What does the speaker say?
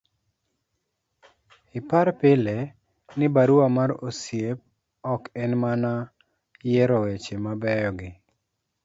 ipar pile ni barua mar osiep ok en mana yiero weche mabeyo gi